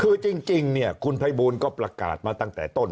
คือจริงเนี่ยคุณภัยบูลก็ประกาศมาตั้งแต่ต้น